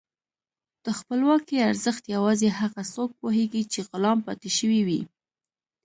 د خپلواکۍ ارزښت یوازې هغه څوک پوهېږي چې غلام پاتې شوي وي.